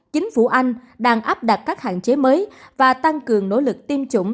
chính phủ anh đang áp đặt các hạn chế mới và tăng cường nỗ lực tiêm chủng